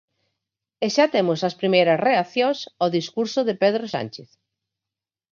E xa temos as primeiras reaccións ao discurso de Pedro Sánchez.